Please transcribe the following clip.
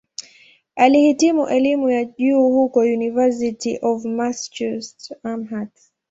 Alihitimu elimu ya juu huko "University of Massachusetts-Amherst".